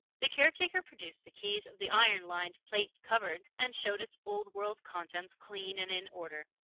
The caretaker produced the keys of the iron lined plate cupboard, and showed its old world contents, clean and in order.